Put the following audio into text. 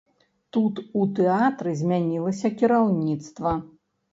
Тут у тэатры змянілася кіраўніцтва.